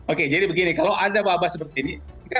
oke jadi begini kalau anda wabah seperti ini